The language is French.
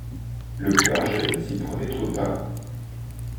Le clergé s'y prenait trop tard.